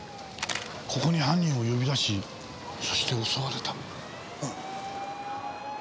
ここに犯人を呼び出しそして襲われた。